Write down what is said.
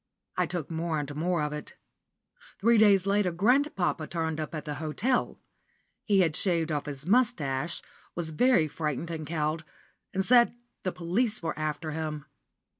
I took more and more of it. Three days later grandpapa turned up at the hotel. He had shaved off his moustache, was very frightened and cowed, and said the police were after him.